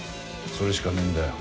それしかねえんだよ